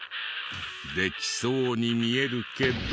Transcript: できそうに見えるけど。